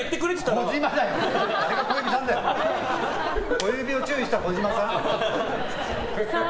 小指を注意した児嶋さん。